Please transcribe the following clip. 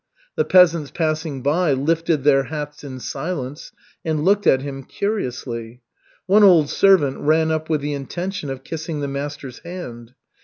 The peasants passing by lifted their hats in silence and looked at him curiously. One old servant ran up with the intention of kissing the master's hand.